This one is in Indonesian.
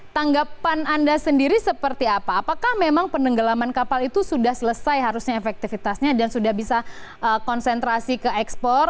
tanggapan anda sendiri seperti apa apakah memang penenggelaman kapal itu sudah selesai harusnya efektivitasnya dan sudah bisa konsentrasi ke ekspor